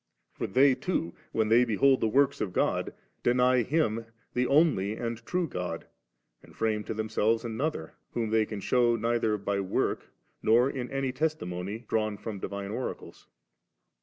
For they too, when they behold the works of God, deny Him the only and true God, and firame to themselves another, whom diey can shew neither by work, nor in any testimonv drawn fix>m the divine oracles.